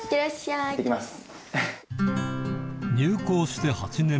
いってきます。